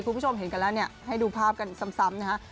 คุณผู้ชมเห็นกันแล้วเนี่ยให้ดูภาพกันซ้ำนะฮะ